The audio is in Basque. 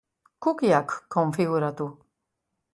Cookie-ak konfiguratu.